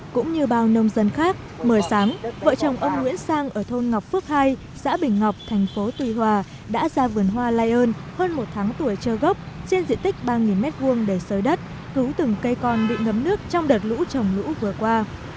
cũng như bao nông dân khác mười sáng vợ chồng ông nguyễn sang ở thôn ngọc phước hai xã bình ngọc thành phố tuy hòa đã ra vườn hoa lây ơn hơn một tháng tuổi trơ gốc trên diện tích ba m hai để sới đất cứu từng cây con bị ngấm nước trong đợt lũ trồng lũ vừa qua